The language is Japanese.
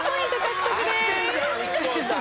合ってんじゃんＩＫＫＯさん。